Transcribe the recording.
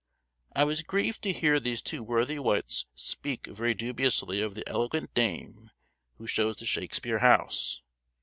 I was grieved to hear these two worthy wights speak very dubiously of the eloquent dame who shows the Shakespeare house.